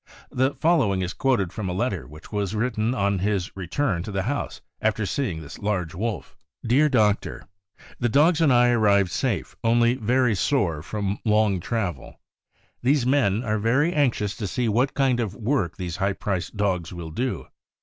The following is quoted from a letter which was written on his return to the house after seeing this large wolf : 186 THE AMERICAN BOOK OF THE DOG. "Dear Doctor: The dogs and I arrived safe, only very sore from long travel. These men are very anxious to see what kind of work these high priced dogs will do.